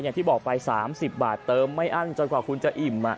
อย่างที่บอกไป๓๐บาทเติมไม่อั้นจนกว่าคุณจะอิ่ม